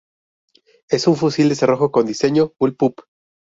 Es un fusil de cerrojo con diseño bullpup.